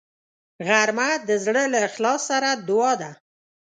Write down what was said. غرمه د زړه له اخلاص سره دعا ده